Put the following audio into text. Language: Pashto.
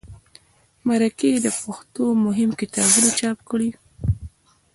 مرکې د پښتو مهم کتابونه چاپ کړل.